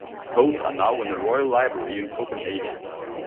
Both are now in the Royal Library in Copenhagen.